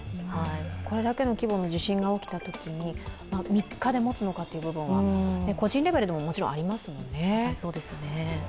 これだけの規模の地震が起きたときに、３日でもつのかという部分は、個人レベルでも、もちろんありますもんね。